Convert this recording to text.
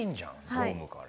ドームから。